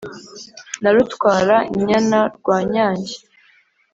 na rutwara nyana rwa nyange